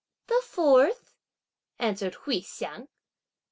"The fourth," answered Hui Hsiang.